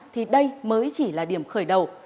thì đây mới chỉ là điểm khởi đầu